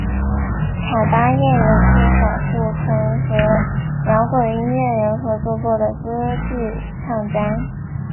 卡芭叶也是少数曾和摇滚音乐人合作过的歌剧唱家。